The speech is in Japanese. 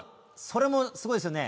それもすごいですよね。